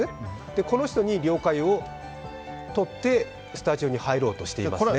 この人に了解を取って、スタジオに入ろうとしていますね。